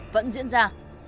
vẫn diễn ra